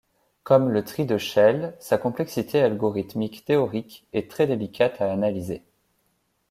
Comme le tri de Shell, sa complexité algorithmique théorique est très délicate à analyser.